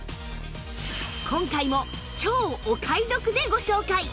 今回も超お買い得でご紹介！